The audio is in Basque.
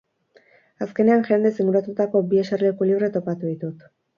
Azkenean, jendez inguratutako bi eserleku libre topatu ditut.